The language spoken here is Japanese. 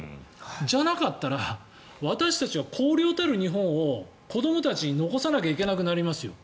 じゃなかったら私たちは日本を子どもたちに残さなきゃいけなくなりますよ。